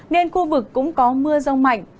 nên khu vực cũng có mưa rong mạnh